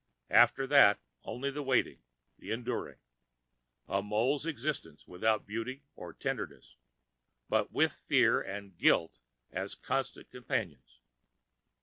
After that, only the waiting, the enduring. A mole's existence, without beauty or tenderness, but with fear and guilt as constant companions.